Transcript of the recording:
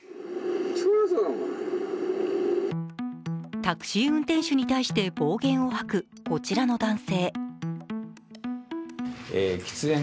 タクシー運転手に対して暴言を吐くこちらの男性。